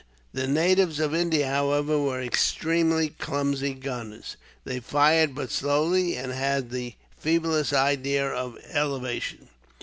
The natives of India, however, were extremely clumsy gunners. They fired but slowly, and had the feeblest idea of elevation.